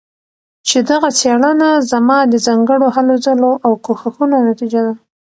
چې دغه څيړنه زما د ځانګړو هلو ځلو او کوښښونو نتيجه ده